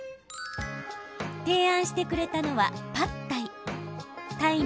提案してくれたのはパッタイ。